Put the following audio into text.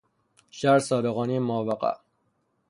شرح صادقانهی ماوقع